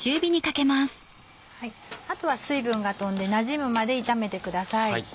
あとは水分が飛んでなじむまで炒めてください。